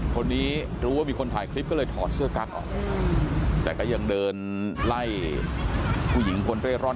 คนนี้รู้ว่ามีคนถ่ายคลิปก็เลยถอดเสื้อกั๊กออกแต่ก็ยังเดินไล่ผู้หญิงคนเร่ร่อน